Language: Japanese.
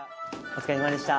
お疲れさまでした。